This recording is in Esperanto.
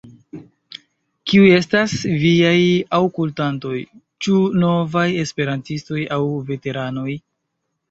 Kiuj estas viaj aŭkultantoj, ĉu novaj esperantistoj aŭ veteranoj?